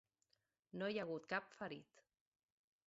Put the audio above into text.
No hi ha hagut cap ferit.